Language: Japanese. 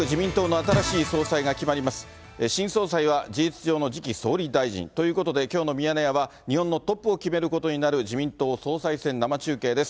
新総裁は事実上の次期総理大臣、ということで、きょうのミヤネ屋は日本のトップを決めることになる、自民党総裁選、生中継です。